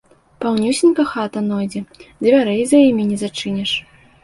Паўнюсенька хата нойдзе, дзвярэй за імі не зачыніш.